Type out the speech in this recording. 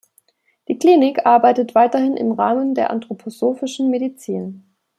Die Klinik arbeitet weiterhin im Rahmen der anthroposophischen Medizin.